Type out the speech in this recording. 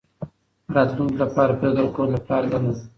د راتلونکي لپاره فکر کول د پلار دنده ده.